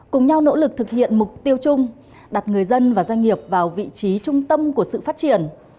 cùng nhau nỗ lực thực hiện mục tiêu chung đặt người dân và doanh nghiệp vào vị trí trung tâm của sự phát triển